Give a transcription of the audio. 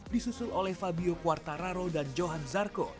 disusul oleh fabio quartararo dan johan zarco